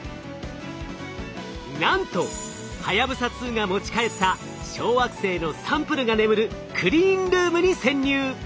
なんとはやぶさ２が持ち帰った小惑星のサンプルが眠るクリーンルームに潜入！